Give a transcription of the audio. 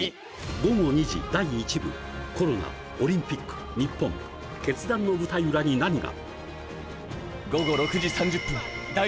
午後２時第１部、コロナ、オリンピック、日本、決断の舞台裏に何が。